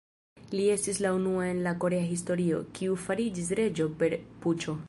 Li estis la unua en la korea historio, kiu fariĝis reĝo per puĉo.